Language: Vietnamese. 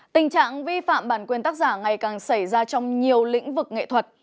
tình trạng vi phạm bản quyền tác giả ngày càng xảy ra trong nhiều lĩnh vực nghệ thuật